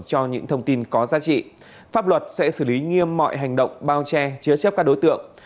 cho những thông tin có giá trị pháp luật sẽ xử lý nghiêm mọi hành động bao che chứa chấp các đối tượng